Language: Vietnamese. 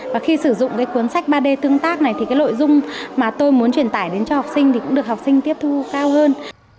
và khi sử dụng cái cuốn sách ba d tương tác này thì cái nội dung mà tôi muốn truyền tải đến cho học sinh thì cũng được học sinh tiếp thu cao hơn